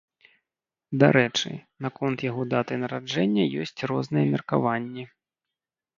Дарэчы, наконт яго даты нараджэння ёсць розныя меркаванні.